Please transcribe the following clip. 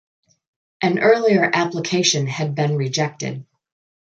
An earlier application had been rejected.